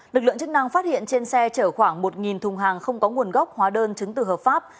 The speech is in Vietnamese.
lực lượng chức năng phát hiện trên xe chở khoảng một thùng hàng không có nguồn gốc hóa đơn chứng từ hợp pháp